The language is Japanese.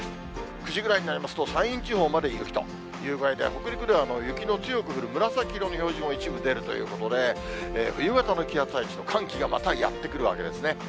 ９時ぐらいになりますと、山陰地方まで雪という具合で、夜になると、北陸地方まで紫色の表示も一部出るということで、冬型の気圧配置と、寒気がまたやって来るわけですね。